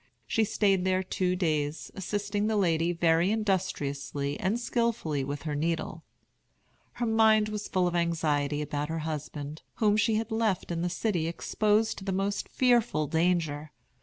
She stayed there two days, assisting the lady very industriously and skilfully with her needle. Her mind was full of anxiety about her husband, whom she had left in the city exposed to the most fearful danger.